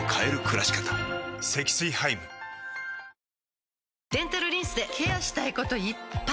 さらにデンタルリンスでケアしたいこといっぱい！